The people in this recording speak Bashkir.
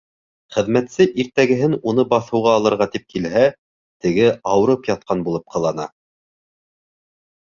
Хеҙмәтсе иртәгәһен уны баҫыуға алырға тип килһә, теге ауырып ятҡан булып ҡылана.